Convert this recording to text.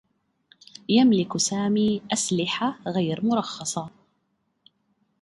يملك سامي أسلحة غير مرخّصة.